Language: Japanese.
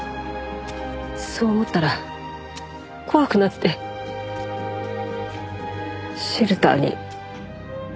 そう思ったら怖くなってシェルターに。